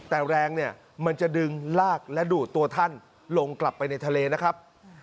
แต่แรงเนี่ยมันจะดึงลากและดูดตัวท่านลงกลับไปในทะเลนะครับ